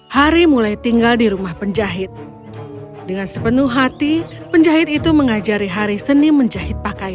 hari mulai tinggal di rumah penjahit dengan sepenuh hati penjahit itu mengajari hari seni menjahit pakaian